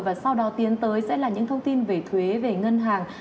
và sau đó tiến tới sẽ là những thông tin về thuế về ngân hàng